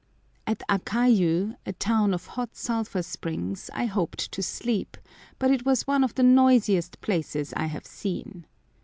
At Akayu, a town of hot sulphur springs, I hoped to sleep, but it was one of the noisiest places I have seen.